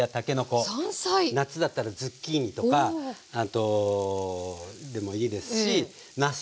夏だったらズッキーニとかでもいいですしなす。